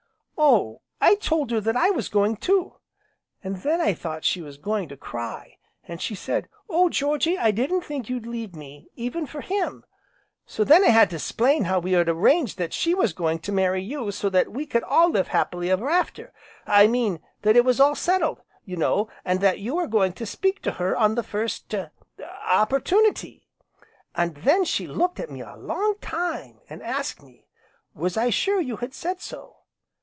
"Oh! I told her that I was going too. An' then I thought she was going to cry, an' she said 'Oh Georgy! I didn't think you'd leave me even for him.' So then I had to s'plain how we had arranged that she was going to marry you so that we could all live happy ever after, I mean, that it was all settled, you know, an' that you were going to speak to her on the first opportunity. An' then she looked at me a long time an' asked me was I sure you had said so.